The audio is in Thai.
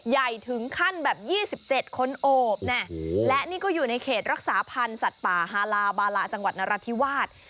ใหญ่ถึงขั้นแบบ๒๗คนโอบและนี่ก็อยู่ในเขตรักษาพันธ์สัตว์ป่าฮาลาบาลาจังหวัดนราธิวาส